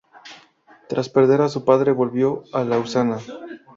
Tras perder a su padre volvió a Lausana.